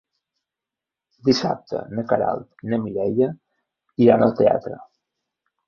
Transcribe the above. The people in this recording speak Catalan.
Dissabte na Queralt i na Mireia iran al teatre.